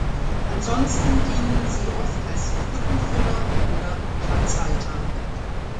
Ansonsten dienen sie oft als "Lückenfüller" oder "Platzhalter".